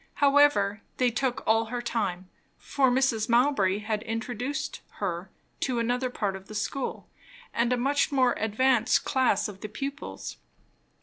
However, they took all her time, for Mrs. Mowbray had introduced her to another part of the school and a much more advanced class of the pupils.